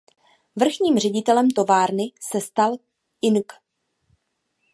Vrchním ředitelem továrny se stal ing.